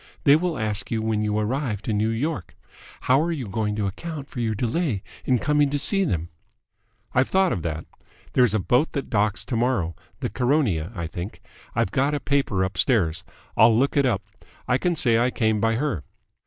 They will ask you when you arrived in New York. How are you going to account for your delay in coming to see them?" "I've thought of that. There's a boat that docks to morrow the Caronia, I think. I've got a paper upstairs. I'll look it up. I can say I came by her."